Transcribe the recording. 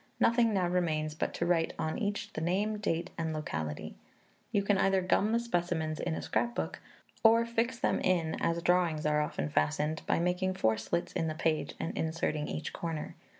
Nothing now remains but to write on each the name, date, and locality. You can either gum the specimens in a scrap book, or fix them in, as drawings are often fastened, by making four slits in the page, and inserting each corner.